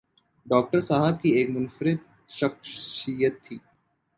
Doctor صاحب کی ایک منفرد شخصیت تھی۔